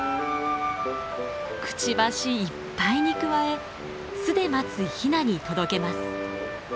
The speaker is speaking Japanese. くちばしいっぱいにくわえ巣で待つヒナに届けます。